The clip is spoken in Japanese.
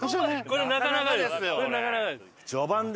これなかなかです。